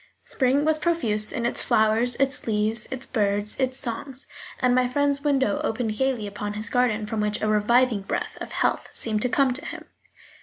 Spring was profuse in its flowers, its leaves, its birds, its songs; and my friend's window opened gaily upon his garden, from which a reviving breath of health seemed to come to him.